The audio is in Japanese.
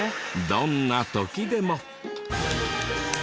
どんな時でも。